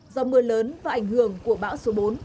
do mưa lớn và ảnh hưởng của bão số bốn